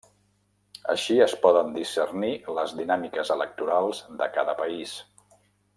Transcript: Així es poden discernir les dinàmiques electorals de cada país.